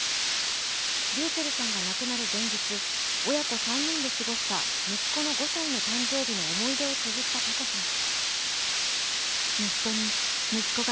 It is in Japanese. ｒｙｕｃｈｅｌｌさんがなくなる前日、親子３人で過ごした息子の５歳の誕生日の思い出をつづったｐｅｃｏさん。